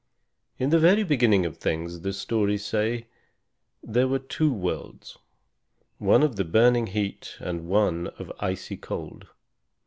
In the very beginning of things, the stories say, there were two worlds, one of burning heat and one of icy cold.